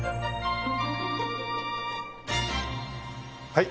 はい！